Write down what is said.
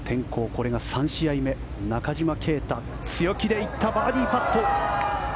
これが３試合目中島啓太、強気で行ったバーディーパット。